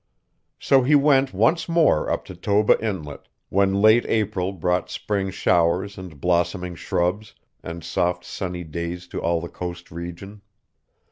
So he went once more up to Toba Inlet, when late April brought spring showers and blossoming shrubs and soft sunny days to all the coast region.